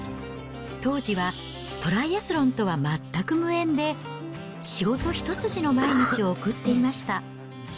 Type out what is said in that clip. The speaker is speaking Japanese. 当時はトライアスロンとは全く無縁で、仕事一筋の毎日を送っていました。